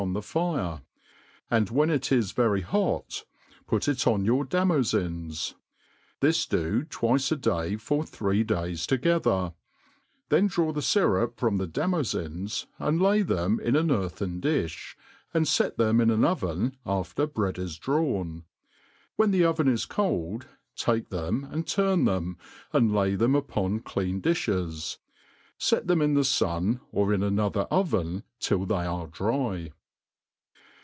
on the fire ; and when it is very hot, put it on your damofins : this do twice a day foir three days together ; then draw the fyrup from the damofins, and lay them in an earthen difli, and fee them in an oven after bread is drawn ; when the oven is cold, take them and turn them, and lay, them upon clean difhes \ fee them in the fun, or in another oven, till they are dry.